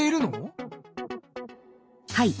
はい。